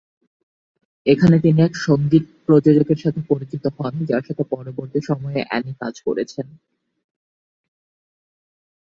এখানে তিনি এক সঙ্গীত প্রযোজকের সাথে পরিচিত হন, যার সাথে পরবর্তী সময়ে অ্যানি কাজ করেছেন।